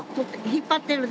引っ張ってる。